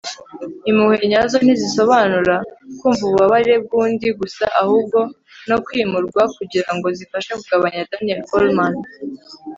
impuhwe nyazo ntizisobanura kumva ububabare bw'undi gusa ahubwo no kwimurwa kugira ngo zifashe kugabanya. - daniel goleman